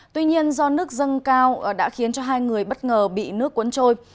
tuy nhiên do nước dâng cao đã khiến cho hai người bất ngờ bị nước cuốn trôi